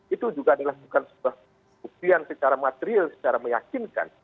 itu juga adalah bukan sebuah buktian secara material secara meyakinkan